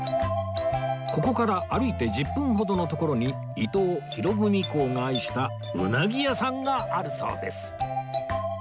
ここから歩いて１０分ほどの所に伊藤博文公が愛した鰻屋さんがあるそうです